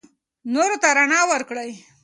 نورو ته رڼا ورکړئ.